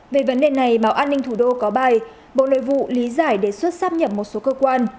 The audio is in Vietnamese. về vấn đề này báo an ninh thủ đô có bài bộ nội vụ lý giải đề xuất sắp nhập một số cơ quan